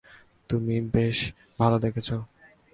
তুমি বেশ ভালো দেখিয়েছ।